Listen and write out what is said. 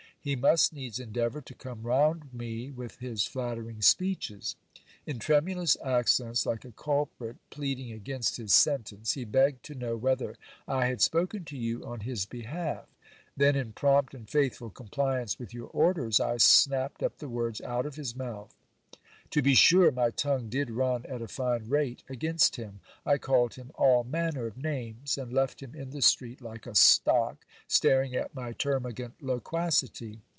He must needs endeavour to come round me with his nattering speeches. In tremulous accents, like a culprit pleading against his sentence, he begged to know whether 1 had spoken to you on his behalf. Then, in prompt and faithful compliance with your orders, I snapped up the words out of his mouth. To be sure, my tongue did run at a fine rate against him. I called him all manner of names, and left him in the street like a stock, staring at my termagant loquacity.